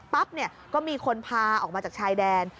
ปั๊บก็มีคนพาออกมาจากชายแดน